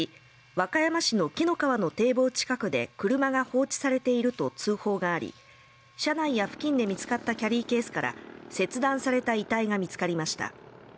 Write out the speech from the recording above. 和歌山市の紀の川の堤防近くで車が放置されていると通報があり車内や付近で見つかったキャリーケースから切断された遺体が見つかりました